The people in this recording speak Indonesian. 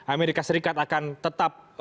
amerika serikat akan tetap